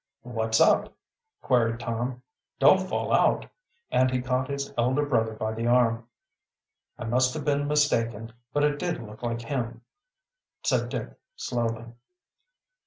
"What's up?" queried Tom. "Don't fall out." And he caught his elder brother by the arm. "I must have been mistaken. But it did look like him," said Dick slowly.